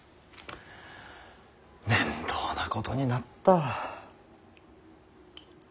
面倒なことになった。